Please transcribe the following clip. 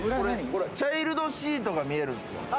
チャイルドシートが見えるんですよ。